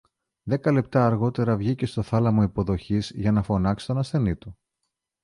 Δέκα λεπτά αργότερα βγήκε στο θάλαμο υποδοχής για να φωνάξει τον ασθενή του